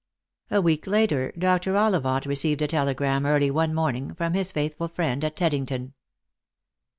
A week later Dr. Ollivant received a telegram early one morning from his faithful friend at Teddington.